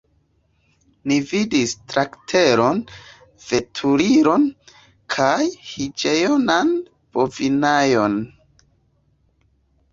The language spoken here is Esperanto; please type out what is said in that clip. Ni vidis traktoron, veturilon kaj higienan bovinejon.